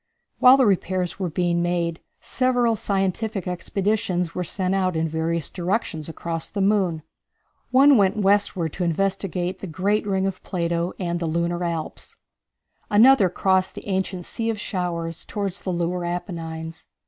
While the repairs were being made several scientific expeditions were sent out in various directions across the moon. One went westward to investigate the great ring plain of Plato, and the lunar Alps. Another crossed the ancient Sea of Showers toward the lunar Apennines.